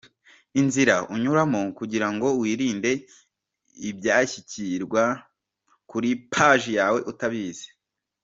Inzira unyuramo kugira ngo wirinde ibyashyirwa kuri paji yawe utabizi.